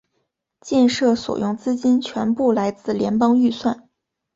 建设所用资金全部来自联邦预算。